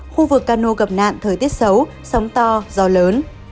khu vực cano gặp nạn thời tiết xấu sóng to gió lớn